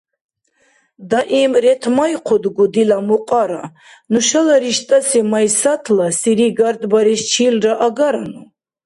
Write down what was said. Даим ретмайхъудгу, дила мукьара, нушала риштӀаси Майсатла сири гардбарес чилра агарану.